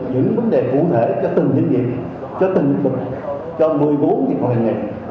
những vấn đề cụ thể cho từng doanh nghiệp cho từng doanh nghiệp cho một mươi bốn doanh nghiệp